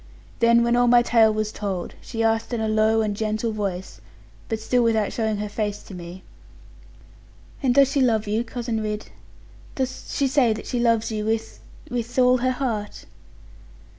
Then when all my tale was told, she asked in a low and gentle voice, but still without showing her face to me, 'And does she love you, Cousin Ridd? Does she say that she loves you with with all her heart?'